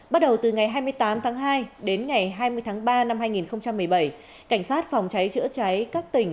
bắt đầu từ ngày hai mươi tám tháng hai đến ngày hai mươi tháng ba năm hai nghìn một mươi bảy cảnh sát phòng cháy chữa cháy các tỉnh